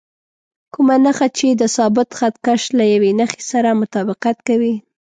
کومه نښه یې چې د ثابت خط کش له یوې نښې سره مطابقت کوي.